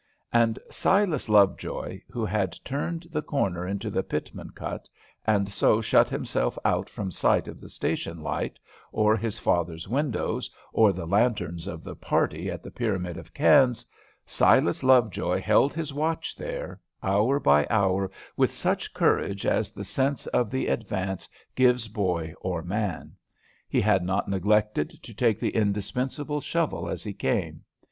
And Silas Lovejoy who had turned the corner into the Pitman cut, and so shut himself out from sight of the station light, or his father's windows, or the lanterns of the party at the pyramid of cans Silas Lovejoy held his watch there, hour by hour, with such courage as the sense of the advance gives boy or man. He had not neglected to take the indispensable shovel as he came.